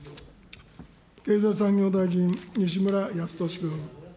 経済産業大臣、西村康稔君。